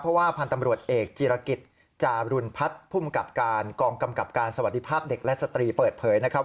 เพราะว่าพันธ์ตำรวจเอกจีรกิจจารุณพัฒน์ภูมิกับการกองกำกับการสวัสดีภาพเด็กและสตรีเปิดเผยนะครับ